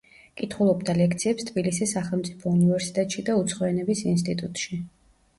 კითხულობდა ლექციებს თბილისის სახელმწიფო უნივერსიტეტში და უცხო ენების ინსტიტუტში.